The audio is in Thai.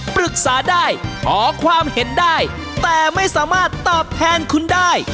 ปรึกษาได้ขอความเห็นได้แต่ไม่สามารถตอบแทนคุณได้